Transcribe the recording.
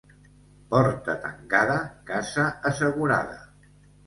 Porta tancada, casa assegurada.